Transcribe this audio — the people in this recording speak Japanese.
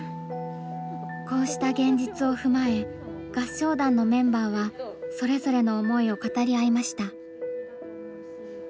こうした現実を踏まえ合唱団のメンバーはそれぞれの思いを語り合いました。